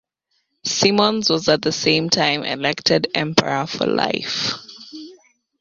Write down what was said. Simmons was at the same time elected Emperor for life.